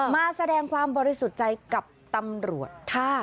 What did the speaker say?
มาแสดงความบริสุทธิ์ใจกับตำรวจค่ะ